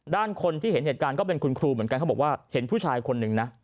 คนที่เห็นเหตุการณ์ก็เป็นคุณครูเหมือนกันเขาบอกว่าเห็นผู้ชายคนหนึ่งนะ